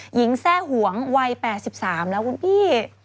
แทร่หวงวัย๘๓แล้วคุณพี่